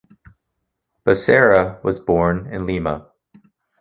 Becerra was born in Lima.